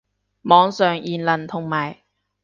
網上言論同理